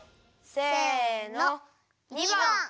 せの②ばん！